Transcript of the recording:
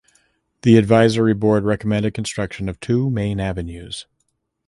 The Advisory Board recommended construction of two "Main Avenues".